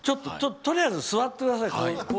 とりあえず座ってください。